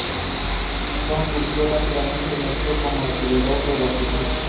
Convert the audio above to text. Borís Soloviov rápidamente emergió como el sucesor de Rasputín.